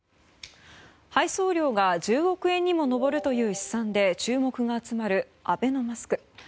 配送料が１０億円にも上るという試算で注目が集まるアベノマスク。